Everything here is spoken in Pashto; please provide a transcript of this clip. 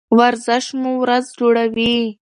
ورزش مو ورځ جوړوي.